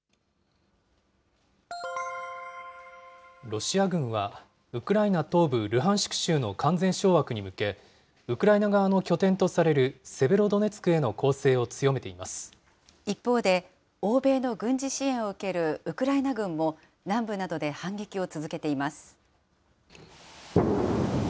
ロシア軍は、ウクライナ東部ルハンシク州の完全掌握に向け、ウクライナ側の拠点とされるセベロドネツクへの攻勢を強めていま一方で、欧米の軍事支援を受けるウクライナ軍も、南部などで反撃を続けています。